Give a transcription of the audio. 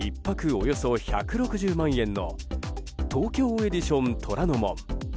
およそ１６０万円の東京エディション虎ノ門。